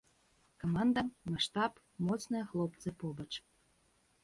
Каманда, маштаб, моцныя хлопцы побач.